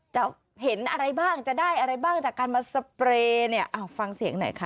จะเห็นอะไรบ้างจะได้อะไรบ้างจากการมาสเปรย์เนี่ยฟังเสียงหน่อยค่ะ